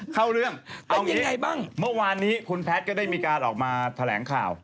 เข้าเรื่องเรามีว่าวันนี้คุณแพทก็ได้มีการออกมาแถลงข่าว